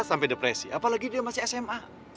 sampai depresi apalagi dia masih sma